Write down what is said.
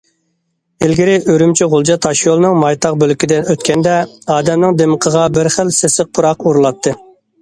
ئىلگىرى ئۈرۈمچى- غۇلجا تاشيولىنىڭ مايتاغ بۆلىكىدىن ئۆتكەندە، ئادەمنىڭ دىمىقىغا بىر خىل سېسىق پۇراق ئۇرۇلاتتى.